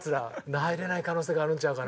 入れない可能性があるんちゃうかな？